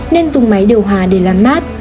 nên dùng máy điều hòa để làm mát